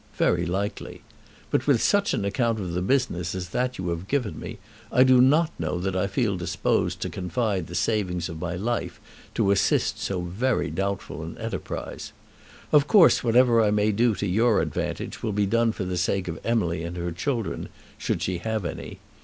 Very likely. But with such an account of the business as that you have given me, I do not know that I feel disposed to confide the savings of my life to assist so very doubtful an enterprise. Of course whatever I may do to your advantage will be done for the sake of Emily and her children, should she have any.